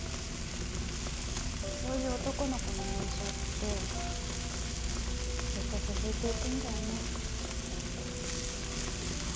そういう男の子の友情ってずっと続いていくんだよね。